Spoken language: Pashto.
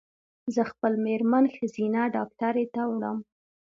زه خپل مېرمن ښځېنه ډاکټري ته وړم